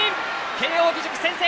慶応義塾、先制！